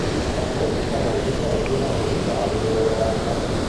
Partecipa a molti festival musicali in Europa.